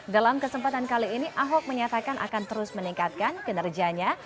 dalam kesempatan kali ini ahok menyatakan akan terus meningkatkan kinerjanya